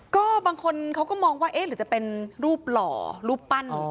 ก็บางคนเขาก็มองว่าเอ๊ะหรือจะเป็นรูปหล่อรูปปั้น